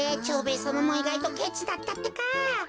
蝶兵衛さまもいがいとケチだったってか。